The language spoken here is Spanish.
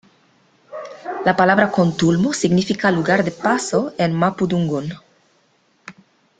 La palabra contulmo significa "lugar de paso" en mapudungún.